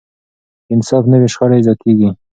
که انصاف نه وي، شخړې زیاتېږي.